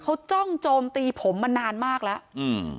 เขาจ้องโจมตีผมมานานมากแล้วอืม